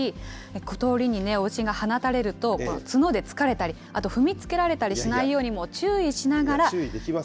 通りに雄牛が放たれると、角で突かれたり、あと踏みつけられたりしないよう注意しながら。